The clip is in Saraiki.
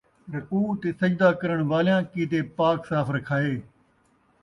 رکوع تے سجدہ کرݨ والیاں، کِیتے پاک صاف رکھائے ۔